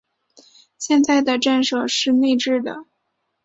现在的站舍是内置的。